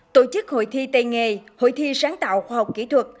tổ chức hội thi tây nghề hội thi sáng tạo khoa học kỹ thuật